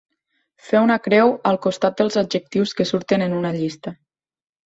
Fer una creu al costat dels adjectius que surten en una llista.